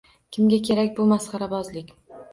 Kimga kerak bu masxarabozlik?